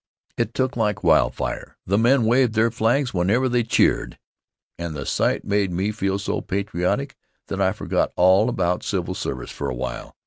It took like wildfire. The men waved their flags whenever they cheered and the sight made me feel so patriotic that I forgot all about civil service for a while.